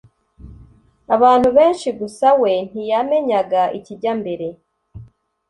abantu benshi gusa we ntiyamenyaga ikijya mbere